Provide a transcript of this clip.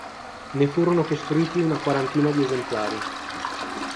Ne furono costruiti una quarantina di esemplari.